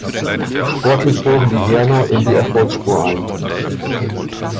Sportlich bogen die Herner in die Erfolgsspur ein.